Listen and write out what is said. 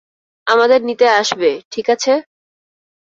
আমাদের নিতে আসবে, ঠিক আছে?